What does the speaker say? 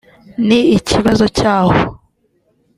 ni ikibazo cyaho